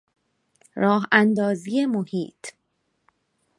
راهاندازی محیط